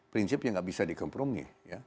prinsip yang nggak bisa dikompromi